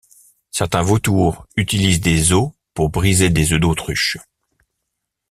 Certains vautours utilisent des os pour briser des œufs d’autruche.